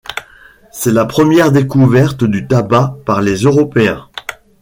C'est la première découverte du tabac par les Européens.